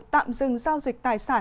tạm dừng giao dịch tài sản